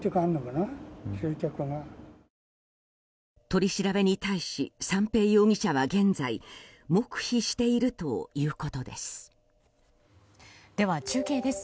取り調べに対し、三瓶容疑者は現在、黙秘しているということです。